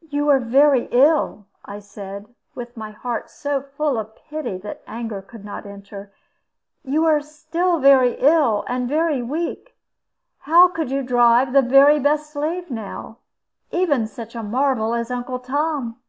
"You are very ill," I said, with my heart so full of pity that anger could not enter; "you are very ill, and very weak. How could you drive the very best slave now even such a marvel as Uncle Tom?"